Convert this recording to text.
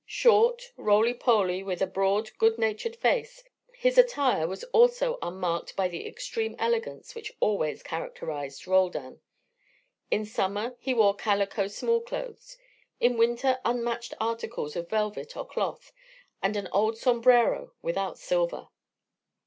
Short, roly poly, with a broad, good natured face, his attire was also unmarked by the extreme elegance which always characterised Roldan. In summer he wore calico small clothes, in winter unmatched articles of velvet or cloth, and an old sombrero without silver.